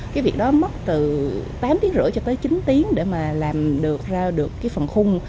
cái việc đó mất từ tám tiếng rưỡi cho tới chín tiếng để mà làm được ra được cái phần khung